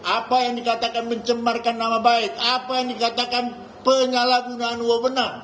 apa yang dikatakan mencemarkan nama baik apa yang dikatakan penyalahgunaan wawenang